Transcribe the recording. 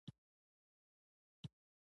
غوا د انسان له پاره ګټوره ده.